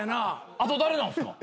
あと誰なんすか？